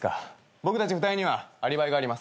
僕たち２人にはアリバイがあります。